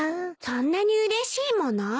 そんなにうれしいもの？